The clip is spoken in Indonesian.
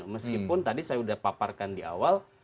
meskipun tadi saya sudah paparkan di awal